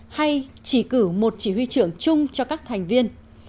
hay chỉ cử một chỉ huy trưởng chung cho các thành viên